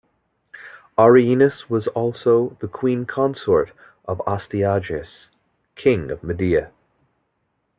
Aryenis was also the Queen consort of Astyages, King of Media.